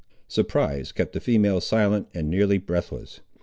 Surprise kept the females silent and nearly breathless.